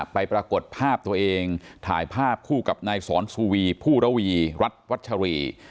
ปรากฏภาพตัวเองถ่ายภาพคู่กับนายสอนสุวีผู้ระวีรัฐวัชรี